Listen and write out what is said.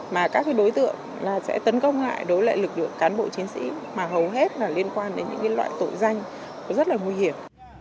mà các đối tượng sẽ tấn công lại đối với lực lượng cán bộ chiến sĩ mà hầu hết là liên quan đến những loại tội danh rất là nguy hiểm